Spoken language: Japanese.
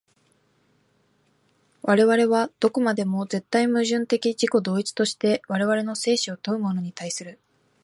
我々はどこまでも絶対矛盾的自己同一として我々の生死を問うものに対する。